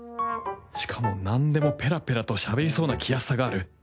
しかもなんでもペラペラとしゃべりそうな気安さがある。